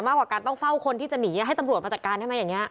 มากกว่าการต้องเฝ้าคนที่จะหนีให้ตำรวจมาจัดการได้ไหมอย่างนี้